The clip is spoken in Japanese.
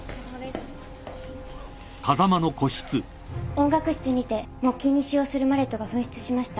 音楽室にて木琴に使用するマレットが紛失しました。